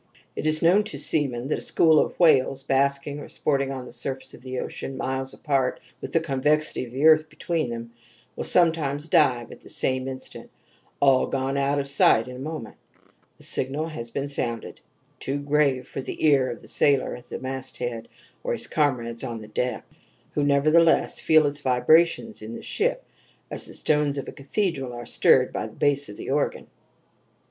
"It is known to seamen that a school of whales basking or sporting on the surface of the ocean, miles apart, with the convexity of the earth between them, will sometimes dive at the same instant all gone out of sight in a moment. The signal has been sounded too grave for the ear of the sailor at the masthead and his comrades on the deck who nevertheless feel its vibrations in the ship as the stones of a cathedral are stirred by the bass of the organ.